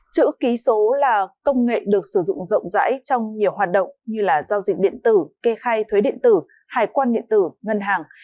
chữ ký số là công nghệ được sử dụng rộng rãi trong nhiều hoạt động như giao dịch điện tử kê khai thuế điện tử hải quan điện tử ngân hàng